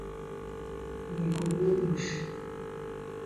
We go go bush.